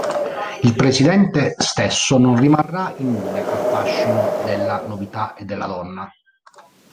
Il presidente stesso non rimarrà immune al fascino della novità e della donna.